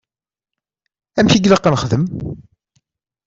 Amek i ilaq ad nexdem?